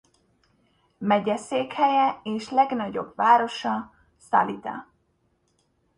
Megyeszékhelye és legnagyobb városa Salida.